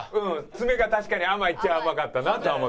詰めが確かに甘いっちゃ甘かったなとは思ってる。